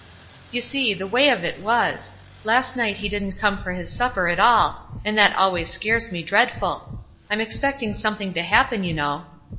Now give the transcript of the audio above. "You see the way of it was: Last night he didn't come for his supper at all, and that always scares me dreadful. I'm expecting something to happen, you know.